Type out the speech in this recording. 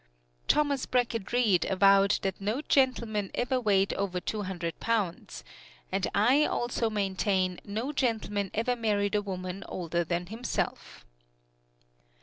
Thomas Brackett Reed avowed that no gentleman ever weighed over two hundred pounds, and I also maintain no gentleman ever married a woman older than himself.